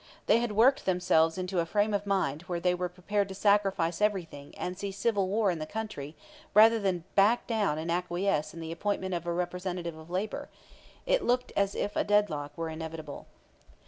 They had worked themselves into a frame of mind where they were prepared to sacrifice everything and see civil war in the country rather than back down and acquiesce in the appointment of a representative of labor. It looked as if a deadlock were inevitable.